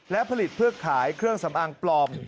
และผลิตเพื่อขายเครื่องสำอางปลอม